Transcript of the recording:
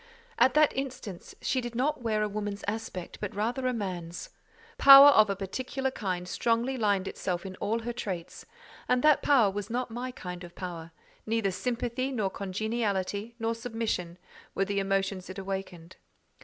At that instant she did not wear a woman's aspect, but rather a man's. Power of a particular kind strongly limned itself in all her traits, and that power was not my kind of power: neither sympathy, nor congeniality, nor submission, were the emotions it awakened.